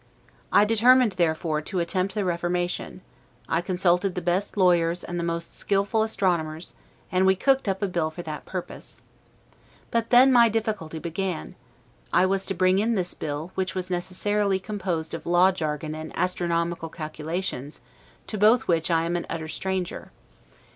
I determined, therefore, to attempt the reformation; I consulted the best lawyers and the most skillful astronomers, and we cooked up a bill for that purpose. But then my difficulty began: I was to bring in this bill, which was necessarily composed of law jargon and astronomical calculations, to both which I am an utter stranger.